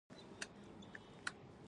هیڅ زوی ونشو کولی چې ټوله ګېډۍ ماته کړي.